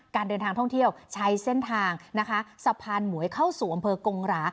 การเดินทางท่องเที่ยวใช้เส้นทางนะคะสะพานหมวยเข้าสู่อำเภอกงหรา